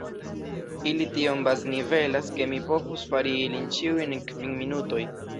Ili tiom baznivelas, ke mi povus fari ilin ĉiujn en kvin minutoj.